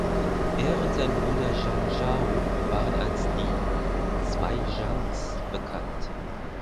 Er und sein Bruder Zhang Zhao waren als die "zwei Zhangs" bekannt.